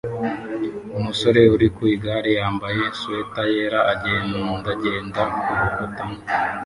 Umusore uri ku igare yambaye swater yera agendagenda kurukuta